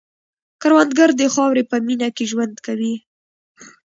کروندګر د خاورې په مینه کې ژوند کوي